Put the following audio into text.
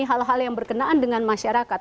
hal hal yang berkenaan dengan masyarakat